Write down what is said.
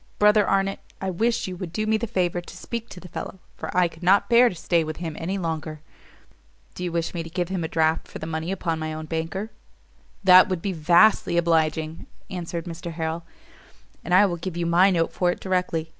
Brother Arnott, I wish you would do me the favour to speak to the fellow, for I could not bear to stay with him any longer." "Do you wish me to give him a draft for the money upon my own banker?" "That would be vastly obliging," answered Mr Harrel, "and I will give you my note for it directly.